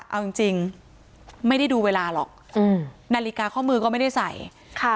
เอาจริงจริงไม่ได้ดูเวลาหรอกอืมนาฬิกาข้อมือก็ไม่ได้ใส่ค่ะ